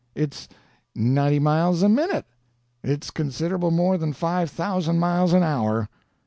It's ninety miles a minute; it's considerable more than five thousand miles an hour.